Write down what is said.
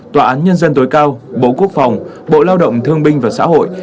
tòa án nhân dân tối cao bộ quốc phòng bộ lao động thương binh và xã hội